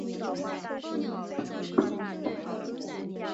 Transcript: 拯救藏羚羊网站同盟